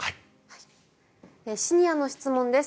シニアの質問です。